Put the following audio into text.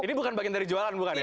ini bukan bagian dari jualan bukan ya